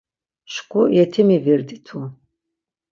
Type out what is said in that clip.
Şǩu yetimi virditu.